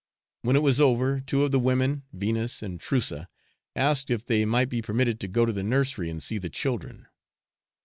When it was over, two of the women Venus and Trussa asked if they might be permitted to go to the nursery and see the children.